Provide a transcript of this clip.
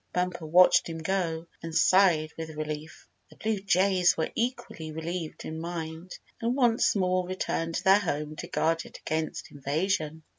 Bumper watched him go, and sighed with relief. The blue jays were equally relieved in mind, and once more returned to their home to guard it against invasion.